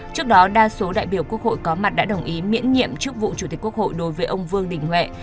trước đó đa số đại biểu quốc hội có mặt đã đồng ý miễn nhiệm chức vụ chủ tịch quốc hội đối với ông vương đình huệ